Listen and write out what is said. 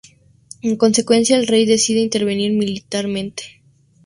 En consecuencia, el rey decide intervenir militarmente.